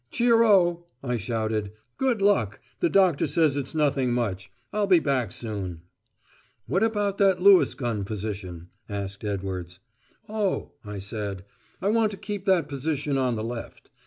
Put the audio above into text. "Cheero," I shouted. "Good luck. The doctor says it's nothing much. I'll be back soon." "What about that Lewis gun position?" asked Edwards. "Oh," I said, "I want to keep that position on the left."